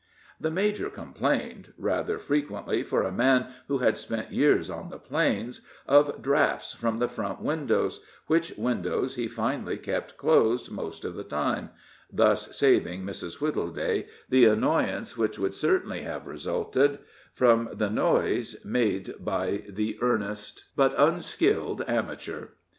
The major complained rather frequently for a man who had spent years on the Plains of drafts from the front windows, which windows he finally kept closed most of the time, thus saving Mrs. Wittleday the annoyance which would certainly have resulted from the noise made by the earnest but unskilled amateur.